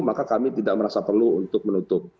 maka kami tidak merasa perlu untuk menutup